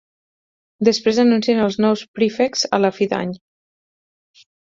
Després anuncien als nous Prefects a la fi d'any.